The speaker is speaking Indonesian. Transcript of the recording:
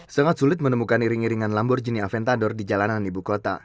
sangat sulit menemukan iring iringan lambor jenis aventador di jalanan ibu kota